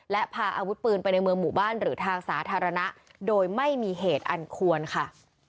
และพาอาวุธปืนไปในเมืองหมู่บ้านหรือทางสาธารณะโดยไม่มีเหตุอันควรค่ะ